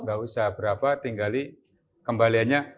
nggak usah berapa tinggal kembaliannya